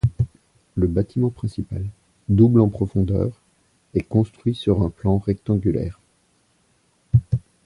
Le bâtiment principal, double en profondeur, est construit sur un plan rectangulaire.